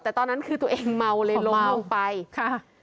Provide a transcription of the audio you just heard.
แต่ตอนนั้นคือตัวเองเมาเลยลงลงไปค่ะ